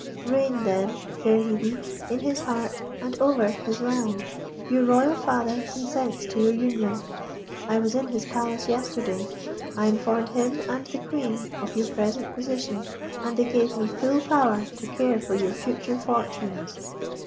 Reign, then, fair Hebe, in his heart and over his realm. Your royal father consents to your union. I was in his palace yesterday. I informed him and the Queen of your present position, and they gave me full power to care for your future fortunes."